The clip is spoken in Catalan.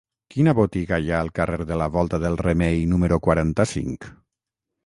Quina botiga hi ha al carrer de la Volta del Remei número quaranta-cinc?